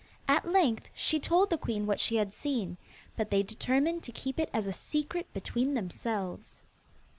At length she told the queen what she had seen, but they determined to keep it as a secret between themselves.